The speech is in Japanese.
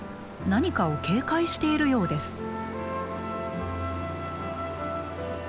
何かを警戒しているようです。